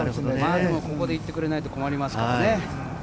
でもここでいってくれないと困りますからね。